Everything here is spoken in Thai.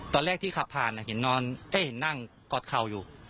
ตอนแรกที่ขับผ่านเห็นนั่งกอดเข่าอยู่